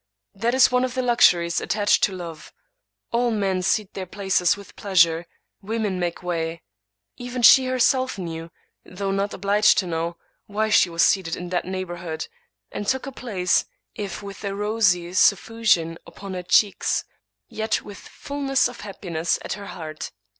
That is one of the luxuries attached to love ; all men cede their places with pleasure ; womei .ake way. Even she herself knew, though not obliged to kiiow, why she was seated in that neighborhood; and took her place, if with a rosy suffusion upon her cheeks, yet with fullness of happiness at her heart.